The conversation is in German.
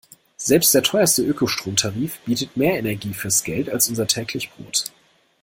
Selbst der teuerste Ökostromtarif bietet mehr Energie fürs Geld als unser täglich Brot.